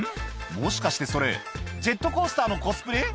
もしかしてそれジェットコースターのコスプレ？